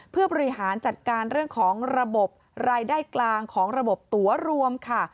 เพื่อบริหารจัดการเรื่องของระบบรายได้กลางของระบบตัวรวมค่ะ